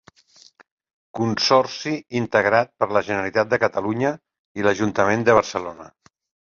Consorci integrat per la Generalitat de Catalunya i l'Ajuntament de Barcelona.